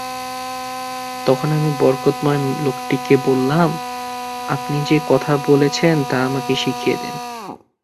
তখন আমি বরকতময় লোকটিকে বললাম, আপনি যে কথা বলেছেন তা আমাকে শিখিয়ে দিন।